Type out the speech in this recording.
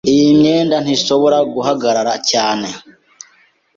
Iyi myenda ntishobora guhagarara cyane.